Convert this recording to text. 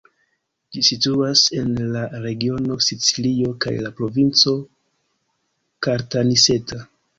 Ĝi situas en la regiono Sicilio kaj la provinco Caltanissetta.